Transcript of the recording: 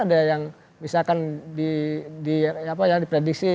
ada yang misalkan di prediksi